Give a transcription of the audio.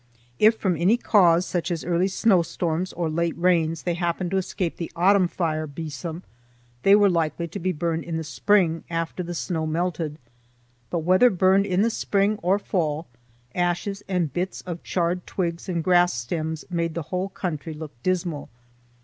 If from any cause, such as early snowstorms or late rains, they happened to escape the autumn fire besom, they were likely to be burned in the spring after the snow melted. But whether burned in the spring or fall, ashes and bits of charred twigs and grass stems made the whole country look dismal.